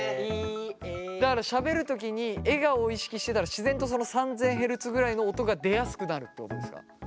だからしゃべる時に笑顔を意識してたら自然とその３，０００ヘルツぐらいの音が出やすくなるってことですか？